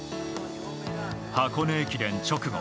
箱根駅伝直後